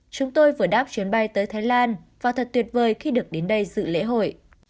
chúng tôi vừa đáp chuyến bay tới thái lan và thật tuyệt vời khi được đến đây dự lễ hội